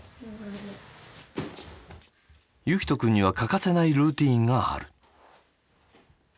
結希斗くんには欠かせないルーチンがある。